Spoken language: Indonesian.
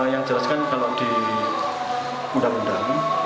yang jelaskan kalau di undang undang